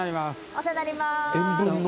お世話になります。